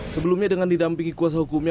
sebelumnya dengan didampingi kuasa hukumnya